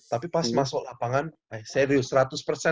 tapi pas masuk lapangan serius